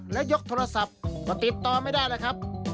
แล้วยกโทรศัพท์ก็ติดต่อไม่ได้เลยครับ